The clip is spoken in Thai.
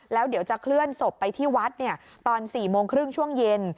แล้วเดี๋ยวจะเคลื่อนศพไปที่วัดตอน๔โมงครึ่งช่วงเย็น